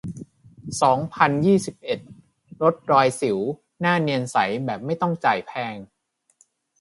สองพันยี่สิบเอ็ด ลดรอยสิว หน้าเนียนใส แบบไม่ต้องจ่ายแพง